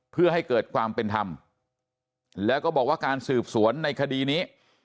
เพื่อให้เกิดความเป็นธรรมแล้วก็บอกว่าการสืบสวนในคดีนี้